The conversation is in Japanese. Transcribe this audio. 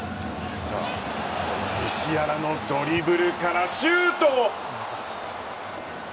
このムシアラのドリブルからシュート。